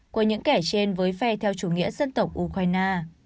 của những kẻ trên với phe theo chủ nghĩa dân tộc ukraine